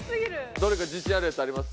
どれか自信あるやつあります？